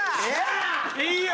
いいよ！